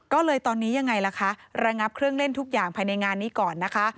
ก็เลยตอนนี้ยังไงล่ะคะระงับเครื่องเล่นทุกอย่างภายในงานนี้ก่อนนะคะ